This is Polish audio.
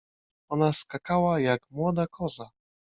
Ona skakała, jak młoda koza.